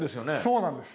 そうなんです。